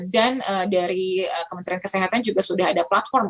dari kementerian kesehatan juga sudah ada platform